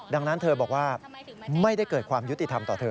ดังนั้นเธอบอกว่าไม่ได้เกิดความยุติธรรมต่อเธอ